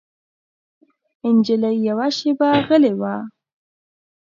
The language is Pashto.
نجلۍ يوه شېبه غلې وه.